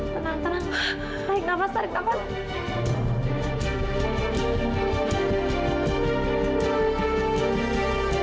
tenang tenang naik nafas tarik nafas